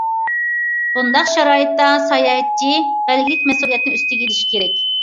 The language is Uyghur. بۇنداق شارائىتتا ساياھەتچى بەلگىلىك مەسئۇلىيەتنى ئۈستىگە ئېلىشى كېرەك.